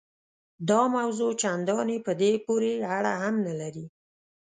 دا موضوع چنداني په دې پورې اړه هم نه لري.